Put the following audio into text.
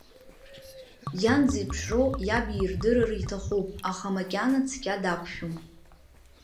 Иан дзеиԥшроу иаб иирдырыр иҭахуп, аха макьана цқьа дақәшәом.